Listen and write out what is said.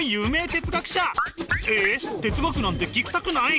哲学なんて聞きたくない？